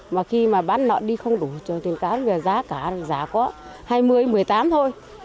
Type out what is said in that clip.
mà khi mà bán nợ đi không đủ tiền cám giá cả giá có hai mươi một mươi tám thôi